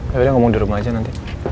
yaudah ngomong di rumah aja nanti